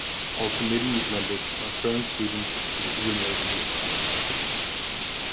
All committee members are current students at the University of Southampton.